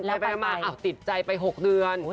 ไปมาติดใจไป๖เดือน